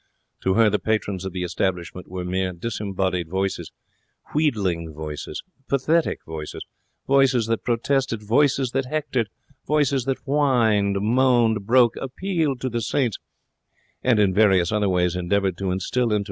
To her the patrons of the establishment were mere disembodied voices wheedling voices, pathetic voices, voices that protested, voices that hectored, voices that whined, moaned, broke, appealed to the saints, and in various other ways endeavoured to instil into M.